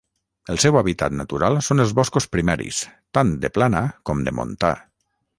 El seu hàbitat natural són els boscos primaris, tant de plana com de montà.